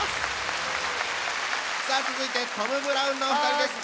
さあ続いてトム・ブラウンのお二人です。